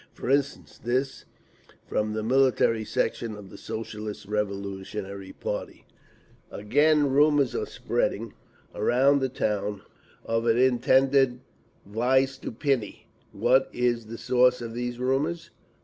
For instance, this from the Military Section of the Socialist Revolutionary party: Again rumours are spreading around the town of an intended vystuplennie. What is the source of these rumours?